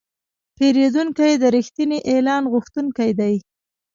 پیرودونکی د رښتیني اعلان غوښتونکی دی.